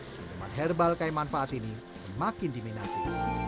penyelamat herbal kaya manfaat ini semakin diminati